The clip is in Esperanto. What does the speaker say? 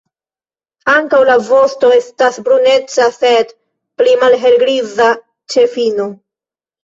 Ankaŭ la vosto estas bruneca, sed pli malhelgriza ĉe fino.